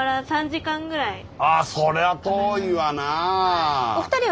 あそれは遠いわなあ。